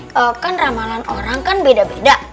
kalau kan ramalan orang kan beda beda